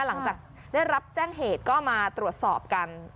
หลังจากได้รับแจ้งเหตุก็มาตรวจสอบกัน